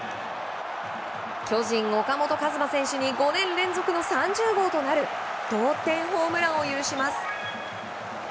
巨人、岡本和真選手に５年連続の３０号となる同点ホームランを許します。